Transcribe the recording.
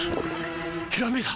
ひらめいた！